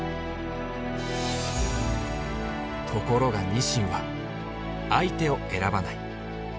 ところがニシンは相手を選ばない。